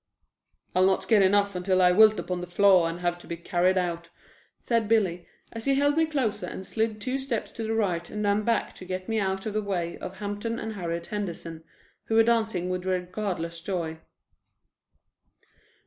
"I'll not get enough until I wilt upon the floor and have to be carried out," said Billy, as he held me closer and slid two steps to the right and then back to get me out of the way of Hampton and Harriet Henderson, who were dancing with regardless joy.